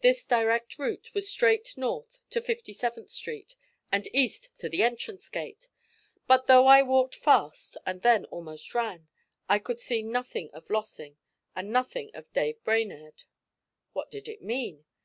The direct route was straight north to Fifty seventh Street, and east to the entrance gate; but though I walked fast, and then almost ran, I could see nothing of Lossing and nothing of Dave Brainerd. What did it mean?